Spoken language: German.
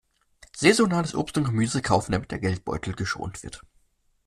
Saisonales Obst und Gemüse kaufen, damit der Geldbeutel geschont wird.